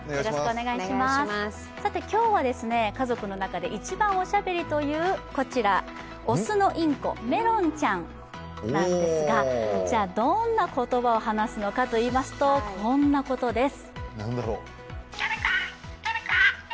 今日は、家族の中で一番おしゃべりというこちら、雄のインコ、メロンちゃんなんですが、じゃあ、どんな言葉を話すのかといいますとこんな言葉です。